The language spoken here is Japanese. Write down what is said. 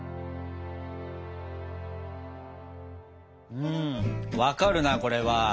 うん分かるなこれは。